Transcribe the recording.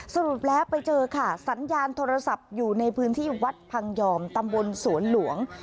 สรุปแล้วไปเจอค่ะสัญญาณโทรศัพท์อยู่ในพื้นที่วัดพังยอมตำบลสวนหลวง